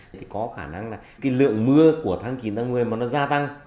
thì có khả năng là cái lượng mưa của tháng chín tháng một mươi mà nó gia tăng